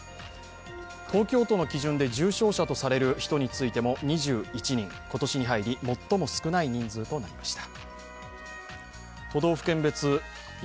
東京都の基準で重症者とされる人についても２１人今年に入り最も少ない人数となりました。